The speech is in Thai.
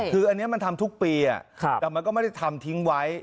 คืออันนี้มันทำทุกปีแต่มันก็ไม่ได้ทำทิ้งไว้